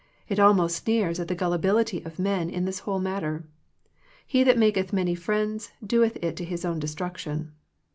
It almost sneers at the gullibility of men in this whole matter. "He that maketh many friends doeth it to his own destruction."